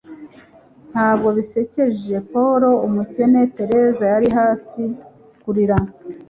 Ntabwo bisekeje, Paul; umukene Teresa yari hafi kurira